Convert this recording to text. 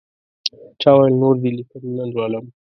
چا ویل نور دې لیکنې نه لولم.